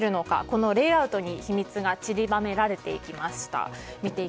このレイアウトに秘密がちりばめられていました。